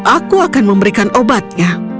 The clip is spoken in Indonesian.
aku akan memberikan obatnya